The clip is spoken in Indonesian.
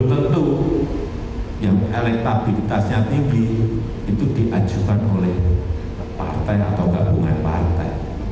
tentu yang elektabilitasnya tinggi itu diajukan oleh partai atau gabungan partai